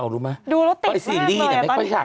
ดูแล้วติดเลขเริ่มเลย